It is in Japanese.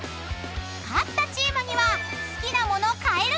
［勝ったチームには］